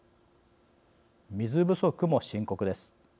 水不足も深刻です。